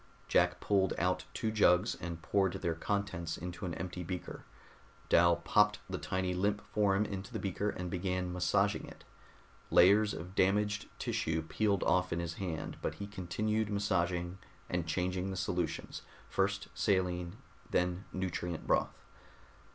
Jack pulled out two jugs and poured their contents into an empty beaker. Dal popped the tiny limp form into the beaker and began massaging it. Layers of damaged tissue peeled off in his hand, but he continued massaging and changing the solutions, first saline, then nutrient broth.